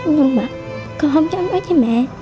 nhưng mà con không dám nói cho mẹ